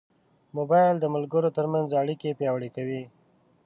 موبایل د ملګرو ترمنځ اړیکې پیاوړې کوي.